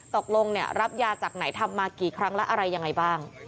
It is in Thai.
ตกลงรับยาจากไหนทำมากี่ครั้งแล้วอะไรยังไงบ้าง